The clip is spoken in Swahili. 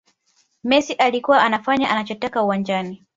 messi alikuwa anafanya anachotaka uwanjani